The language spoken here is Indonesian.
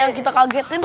aduh akuan butet